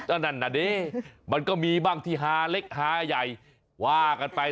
ก็นั่นน่ะดิมันก็มีบ้างที่ฮาเล็กฮาใหญ่ว่ากันไป